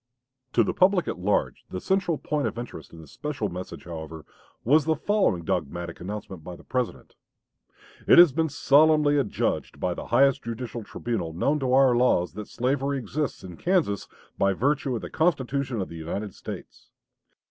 To the public at large, the central point of interest in this special message, however, was the following dogmatic announcement by the President: "It has been solemnly adjudged by the highest judicial tribunal known to our laws that slavery exists in Kansas by virtue of the Constitution of the United States.